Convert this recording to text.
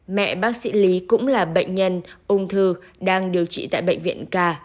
mẹ bác sĩ lý cũng là bệnh nhân ung thư đang điều trị tại bệnh viện ca